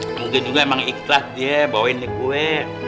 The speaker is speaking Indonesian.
mungkin juga emang ikhtilaf dia bawain nih kue